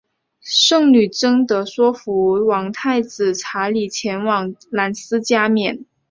圣女贞德说服王太子查理前往兰斯加冕。